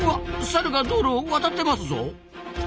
サルが道路を渡ってますぞ。